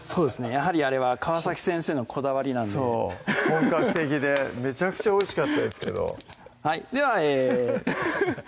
やはりあれは川先生のこだわりなんでそう本格的でめちゃくちゃおいしかったですけどではえハハハ